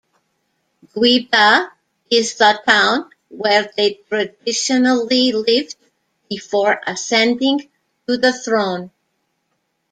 Guiba is the town where they traditionally lived before ascending to the throne.